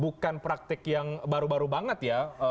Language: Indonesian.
bukan praktik yang baru baru banget ya